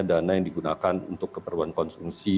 dana yang digunakan untuk keperluan konsumsi